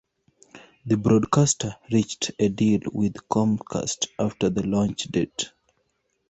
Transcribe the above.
The broadcaster reached a deal with Comcast after the launch date.